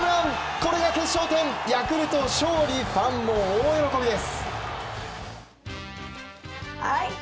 これが決勝点、ヤクルト勝利ファンも大喜びです。